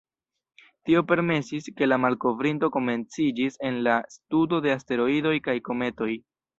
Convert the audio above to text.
Tio permesis, ke la malkovrinto komenciĝis en la studo de asteroidoj kaj kometoj.